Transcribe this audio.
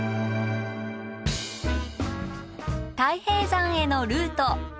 太平山へのルート。